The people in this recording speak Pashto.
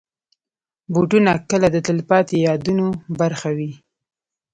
بوټونه کله د تلپاتې یادونو برخه وي.